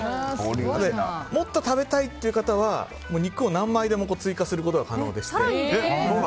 もっと食べたいという方は肉を何枚でも追加することが可能です。